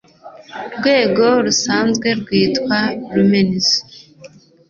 rwego rusanzwe rwitwa lumens